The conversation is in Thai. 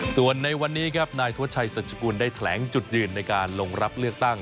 ส่วนในวันนี้ครับนายธวัชชัยสัจกุลได้แถลงจุดยืนในการลงรับเลือกตั้ง